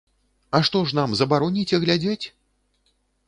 А што ж нам забароніце глядзець?